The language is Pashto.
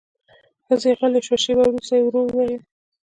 ښځه غلې شوه، شېبه وروسته يې ورو وويل: